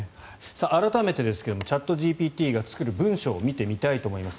改めてですがチャットＧＰＴが作る文章を見てみたいと思います。